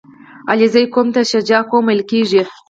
• علیزي قوم ته شجاع قوم ویل کېږي.